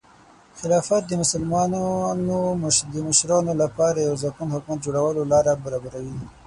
خلافت د مسلمانانو د مشرانو لپاره د یوه ځواکمن حکومت جوړولو لاره برابروي.